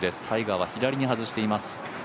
タイガーは左に外しています。